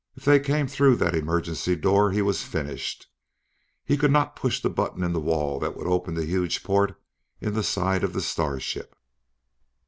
If they came through that emergency door, he was finished. He could not push the button in the wall that would open the huge port in the side of the starship.